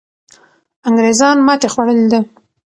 انګریزان ماتې خوړلې ده.